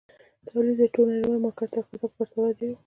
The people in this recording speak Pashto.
تولید یې د ټول نړیوال مارکېټ تقاضا په پرتله ډېر وو.